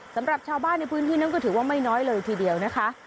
สำหรับชาวบ้านในพื้นที่นั้นก็ถือว่าไม่น้อยเลยทีเดียวนะคะ